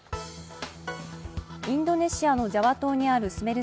インドネシアのジャワ島にあるスメル